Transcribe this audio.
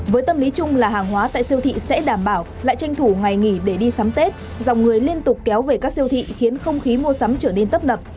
với tâm lý chung là hàng hóa tại siêu thị sẽ đảm bảo lại tranh thủ ngày nghỉ để đi sắm tết dòng người liên tục kéo về các siêu thị khiến không khí mua sắm trở nên tấp nập